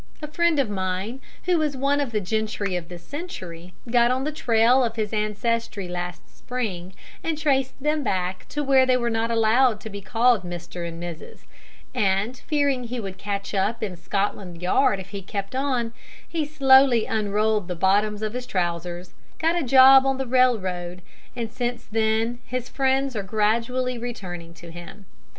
A friend of mine who is one of the gentry of this century got on the trail of his ancestry last spring, and traced them back to where they were not allowed to be called Mr. and Mrs., and, fearing he would fetch up in Scotland Yard if he kept on, he slowly unrolled the bottoms of his trousers, got a job on the railroad, and since then his friends are gradually returning to him.